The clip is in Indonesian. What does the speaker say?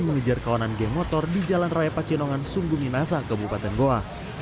mengejar kawanan geng motor di jalan raya pacinongan sungguh minasa kabupaten goa